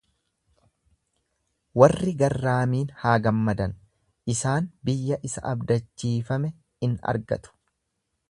Warri garraamiin haa gammadan, isaan biyya isa abdachiifame in argatu.